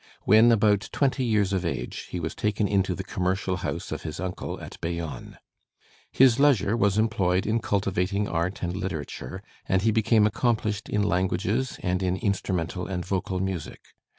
When about twenty years of age he was taken into the commercial house of his uncle at Bayonne. His leisure was employed in cultivating art and literature, and he became accomplished in languages and in instrumental and vocal music.